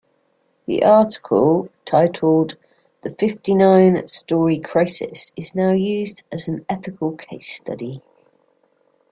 The article, titled "The Fifty-Nine-Story Crisis," is now used as an ethical case-study.